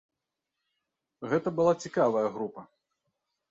Гэта была цікавая група.